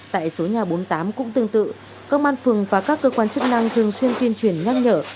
tại số nhà bốn mươi tám cũng tương tự các man phường và các cơ quan chức năng thường xuyên tuyên truyền nhanh nhở